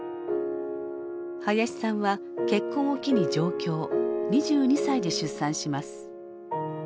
林さんは結婚を機に上京２２歳で出産します。